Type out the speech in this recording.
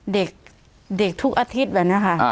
เด็กทุกอาทิตย์แบบนี้ค่ะ